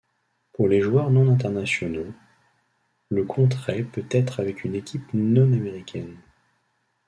Pour les joueurs non internationaux, le contrait peut être avec une équipe non américaine.